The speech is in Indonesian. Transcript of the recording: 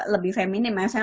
lebih feminin misalnya